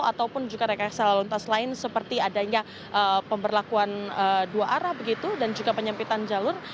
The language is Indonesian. ataupun juga rekayasa lalu lintas lain seperti adanya pemberlakuan dua arah begitu dan juga penyempitan jalur